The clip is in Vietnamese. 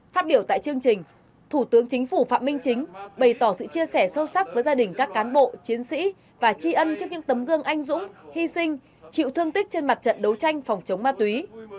phát biểu tại chương trình thủ tướng chính phủ phạm minh chính bày tỏ sự chia sẻ sâu sắc với gia đình các cán bộ chiến sĩ và tri ân trước những tấm gương anh dũng hy sinh chịu thương tích trên mặt trận đấu tranh phòng chống ma túy